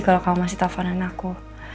kalo kamu masih teleponan aku